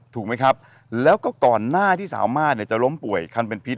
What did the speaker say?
ถูกไหมครับแล้วก็ก่อนหน้าที่สามารถจะล้มป่วยคันเป็นพิษ